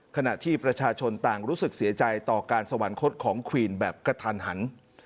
ขณะที่ประชาชนต่างรู้สึกเสียใจต่อการสวรรคตของควีนแบบกระทันหัน